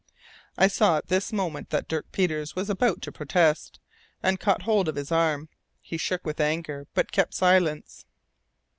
I saw at this moment that Dirk Peters was about to protest, and caught hold of his arm. He shook with anger, but kept silence.